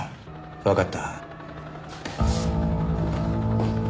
わかった。